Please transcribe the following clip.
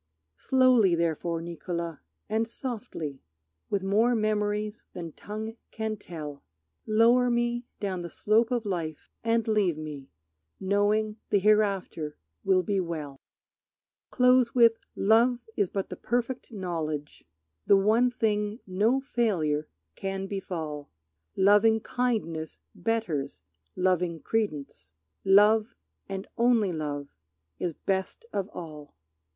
Slowly therefore, Niccolo, and softly, With more memories than tongue can tell, Lower me down the slope of life, and leave me Knowing the hereafter will be well. Close with, "Love is but the perfect knowledge, The one thing no failure can befall; Lovingkindness betters loving credence; Love and only love is best of all."